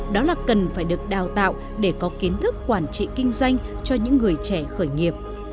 đó là cần phải được đào tạo để có kiến thức quản trị kinh doanh cho những người trẻ khởi nghiệp